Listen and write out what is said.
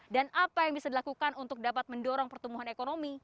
dan apa yang bisa dilakukan untuk dapat mendorong pertumbuhan ekonomi